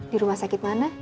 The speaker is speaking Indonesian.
di rumah sakit mana